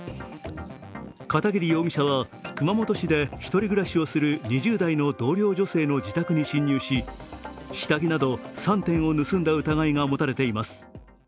片桐容疑者は、熊本市で１人暮らしをする２０代の同僚女性の自宅に侵入し、下着など３点を盗んだ疑いが持たれています。